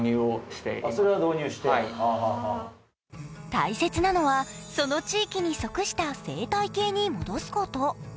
大切なのは、その地域に即した生態系に戻すこと。